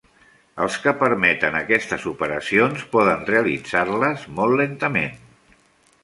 Els que permeten aquestes operacions poden realitzar-les molt lentament.